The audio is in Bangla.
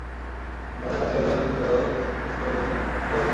তাদের কাজ ছিল ঐ পদার্থটি পৃথক করা ও প্রস্তুত করার জন্য গবেষণা করা।